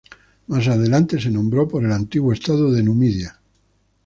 Más adelante se nombró por el antiguo estado de Numidia.